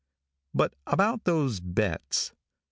Now about those bets.